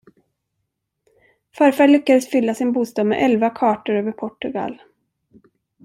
Farfar lyckades fylla sin bostad med elva kartor över Portugal.